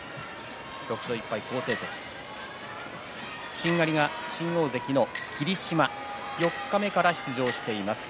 ６勝１敗、好成績しんがりが新大関の霧島四日目から出場しています。